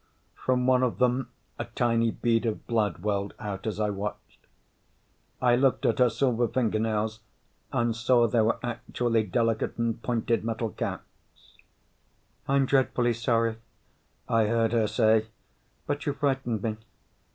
From one of them a tiny bead of blood welled out as I watched. I looked at her silver fingernails and saw they were actually delicate and pointed metal caps. "I'm dreadfully sorry," I heard her say, "but you frightened me.